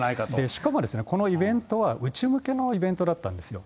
しかも、このイベントは、内向けのイベントだったんですよ。